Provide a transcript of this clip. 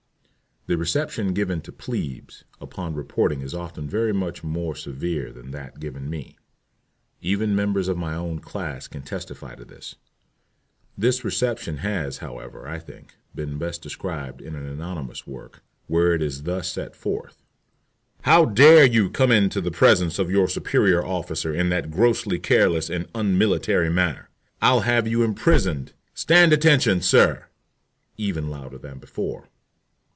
The reception given to "plebes" upon reporting is often very much more severe than that given me. Even members of my own class can testify to this. This reception has, however, I think, been best described in an anonymous work, where it is thus set forth: "How dare you come into the presence of your superior officer in that grossly careless and unmilitary manner? I'll have you imprisoned. Stand, attention, sir!" (Even louder than before.)